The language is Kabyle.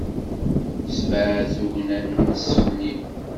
Ssebɛed tugna-nnes fell-i.